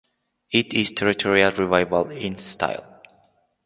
It is Territorial Revival in style.